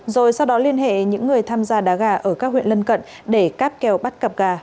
rồi sau đó liên hệ những người tham gia đá gà ở các huyện lân cận để cáp kèo bắt cặp gà